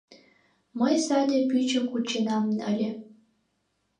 — Мый саде пӱчым кучынем ыле.